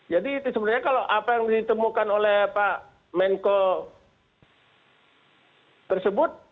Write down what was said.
jadi itu sebenarnya kalau apa yang ditemukan oleh pak menko tersebut